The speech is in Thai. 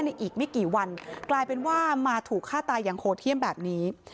อีกไม่กี่วันกลายเป็นว่ามาถูกฆ่าตายอย่างโหดเยี่ยมแบบนี้